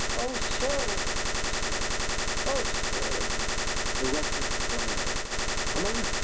"Oh, sir!" she said "oh, sir!" The Rector glared. "Woman!"